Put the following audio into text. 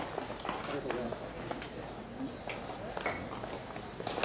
ありがとうございます。